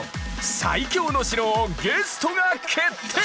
「最強の城」をゲストが決定！